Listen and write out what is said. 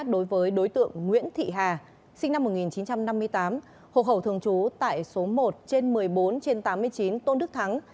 đối với đối tượng nguyễn thị hà sinh năm một nghìn chín trăm năm mươi tám hộ khẩu thường trú tại số một trên một mươi bốn trên tám mươi chín tôn đức thắng